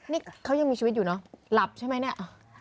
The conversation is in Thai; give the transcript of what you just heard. นี่เขายังมีชีวิตอยู่เนอะหลับใช่ไหมเนี่ย